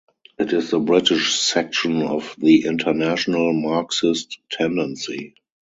It is the British section of the International Marxist Tendency.